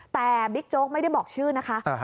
แต่บิ๊กโจ๊กไม่ได้บอกชื่อนะคะ